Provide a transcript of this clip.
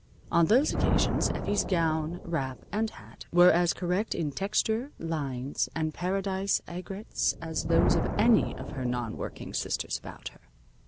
On those occasions, Effie's gown, wrap and hat were as correct in texture, lines, and paradise aigrettes as those of any of her non working sisters about her.